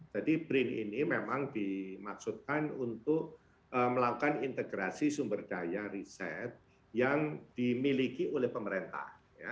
brin ini memang dimaksudkan untuk melakukan integrasi sumber daya riset yang dimiliki oleh pemerintah